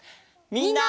みんな！